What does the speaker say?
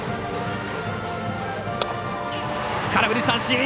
空振り三振！